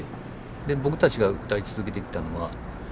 で僕たちが歌い続けてきたのはあの